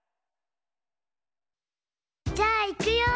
じゃあいくよ。